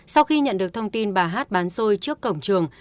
sau khi nhận được thông tin bà hát bán xôi trước cổng trường